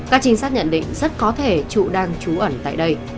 các trinh sát nhận định rất có thể trụ đang trú ẩn tại đây